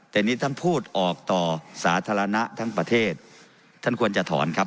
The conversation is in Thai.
แต่นี่ท่านพูดออกต่อสาธารณะทั้งประเทศท่านควรจะถอนครับ